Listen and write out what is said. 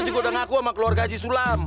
kita juga udah ngaku sama keluarga haji sulam